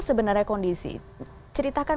sebenarnya kondisi ceritakan